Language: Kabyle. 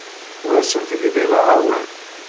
Ur asent-gdileɣ awal.